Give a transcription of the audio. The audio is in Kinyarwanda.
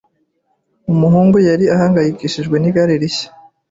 Umuhungu yari ahangayikishijwe nigare rishya.